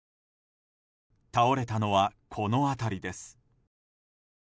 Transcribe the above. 倒れたのは、この辺りです。